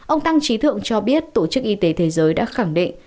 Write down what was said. ông tăng trí thượng cho biết tổ chức y tế thế giới đã khẳng định